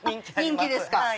人気ですか！